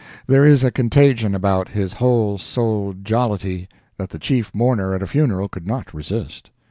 There is a contagion about his whole souled jollity that the chief mourner at a funeral could not resist.